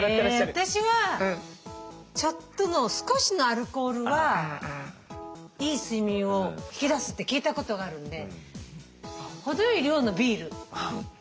私はちょっとの少しのアルコールはいい睡眠を引き出すって聞いたことがあるんで程よい量のビール。